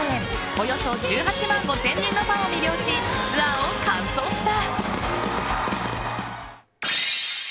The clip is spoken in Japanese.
およそ１８万５０００人のファンを魅了しツアーを完走した。